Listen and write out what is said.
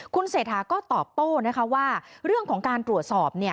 คุณเศรษฐาก็ตอบโต้นะคะว่าเรื่องของการตรวจสอบ